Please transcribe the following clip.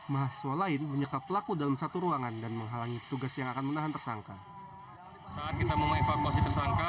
mahasiswa lain menyekap pelaku dalam satu ruangan dan menghalangi tugas yang akan menahan tersangka